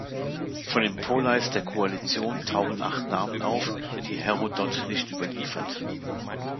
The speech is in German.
Von den Poleis der Koalition tauchen acht Namen auf, die Herodot nicht überliefert.